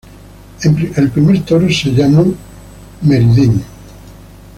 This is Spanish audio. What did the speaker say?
El primer toro se llamó "Merideño", No.